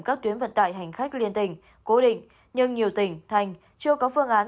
các tuyến vận tài hành khách liên tình cố định nhưng nhiều tỉnh thành chưa có phương án